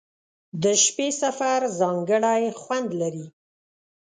• د شپې سفر ځانګړی خوند لري.